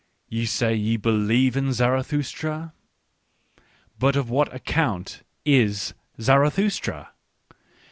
"Ye say ye believe in Zarathustra? But of what account is Zarathustra